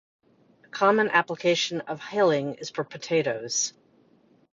A common application of hilling is for potatoes.